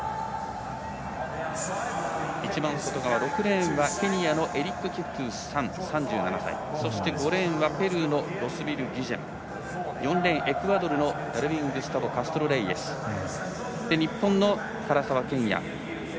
一番外側６レーンは、ケニアのエリックキプトゥー・サン３７歳５レーンはペルーのロスビル・ギジェン４レーン、エクアドルのダルウィングスタボ・カストロレイエス日本の唐澤剣也。